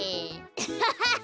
アッハハハ。